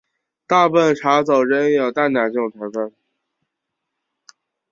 大部份茶走仍有淡奶这种成份。